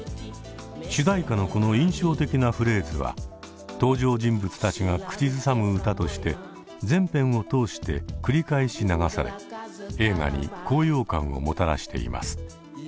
主題歌のこの印象的なフレーズは登場人物たちが口ずさむ歌として全編を通して繰り返し流され映画に高揚感をもたらしています。